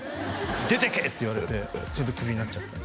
出てけ！って言われてそれでクビになっちゃった